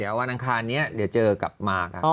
เดี๋ยววันอังคารนี้เดี๋ยวเจอกลับมาค่ะ